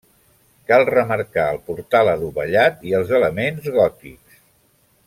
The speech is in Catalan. Cal remarcar el portal adovellat i els elements gòtics.